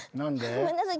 ごめんなさい。